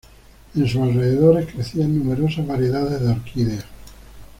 En sus alrededores crecían numerosas variedades de orquídeas.